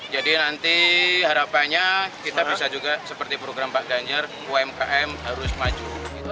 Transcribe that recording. jadi nanti harapannya kita bisa juga seperti program pak ganjar umkm harus maju